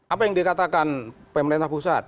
apa yang dikatakan pemerintah pusat